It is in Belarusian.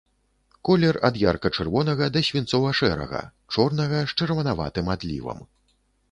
Колер ад ярка-чырвонага да свінцова-шэрага, чорнага з чырванаватым адлівам.